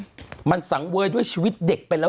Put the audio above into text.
คุณหนุ่มกัญชัยได้เล่าใหญ่ใจความไปสักส่วนใหญ่แล้ว